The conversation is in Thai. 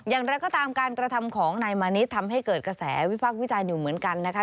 อย่างไรก็ตามการกระทำของนายมานิดทำให้เกิดกระแสวิพักษ์วิจารณ์อยู่เหมือนกันนะคะ